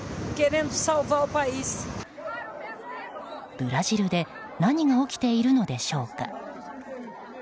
ブラジルで何が起きているのでしょうか。